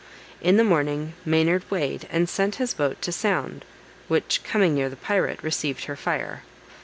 In the morning Maynard weighed, and sent his boat to sound, which coming near the pirate, received her fire.